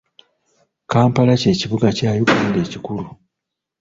Kampala kye kibuga kya Uganda ekikulu.